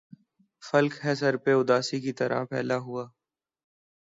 فلک ہے سر پہ اُداسی کی طرح پھیلا ہُوا